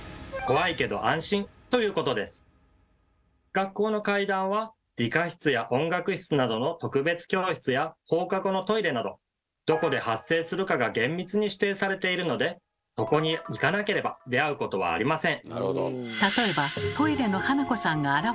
学校の怪談は理科室や音楽室などの特別教室や放課後のトイレなどどこで発生するかが厳密に指定されているのでそこに行かなければ出会うことはありません。